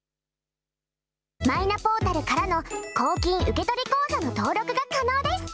マイナポータルからの公金受取口座の登録が可能です。